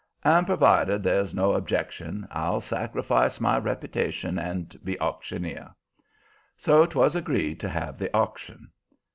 And, provided there's no objection, I'll sacrifice my reputation and be auctioneer." So 'twas agreed to have the auction.